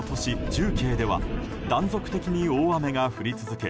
重慶では断続的に大雨が降り続け